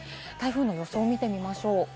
予想を見てみましょう。